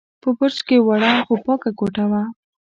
په برج کې وړه، خو پاکه کوټه وه.